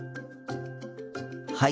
はい。